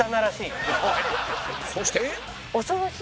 そして